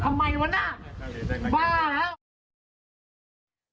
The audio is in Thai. บ้าหรอ